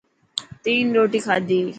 تين روتي کاڌي.